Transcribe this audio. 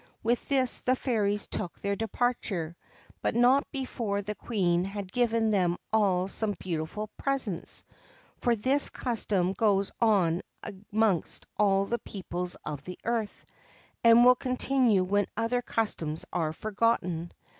With this the fairies took their departure, but not before the Queen had given them all some beautiful presents ; for this custom goes on amongst all the peoples of the earth, and will continue when other customs are forgotten.